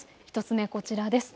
１つ目、こちらです。